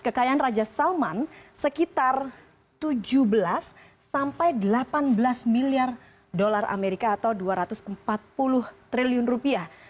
kekayaan raja salman sekitar tujuh belas sampai delapan belas miliar dolar amerika atau dua ratus empat puluh triliun rupiah